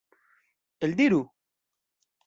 Eldiru!